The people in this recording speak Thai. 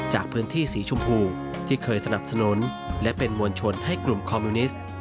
จากพื้นที่สีชมพูที่เคยสนับสนุนและเป็นมวลชนให้กลุ่มคอมมิวนิสต์